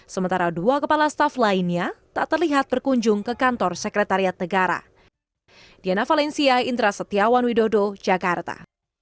sementara dua kepala staf lainnya tak terlihat berkunjung ke kantor sekretariat negara